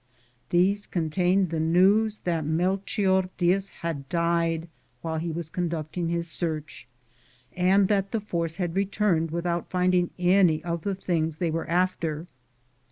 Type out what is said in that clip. These contained the news that Melchinr Diaz had died while he was conducting his search, and that the force had returned with out finding any of the things they were after.